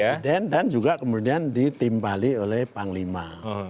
presiden dan juga kemudian ditimpali oleh panglima